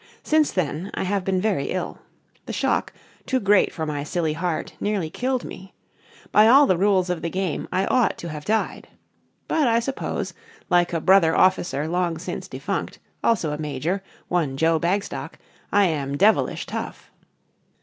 Since then I have been very ill. The shock, too great for my silly heart, nearly killed me. By all the rules of the game I ought to have died. But I suppose, like a brother officer long since defunct, also a Major, one Joe Bagstock, I am devilish tough.